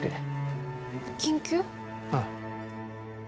ああ。